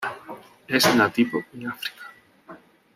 Es nativo de África.